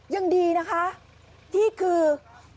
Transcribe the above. ยังดีนะคะที่คือ